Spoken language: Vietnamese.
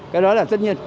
cái đó là tất nhiên